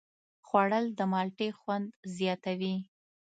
خوړل د مالټې خوند زیاتوي